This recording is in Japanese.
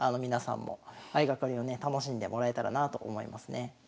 皆さんも相掛かりをね楽しんでもらえたらなと思いますね。